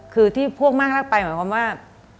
คือที่พวกมากรักไปหมายความว่า